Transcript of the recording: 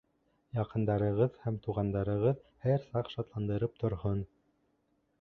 Яҡындарығыҙ һәм туғандарығыҙ һәр саҡ шатландырып торһон.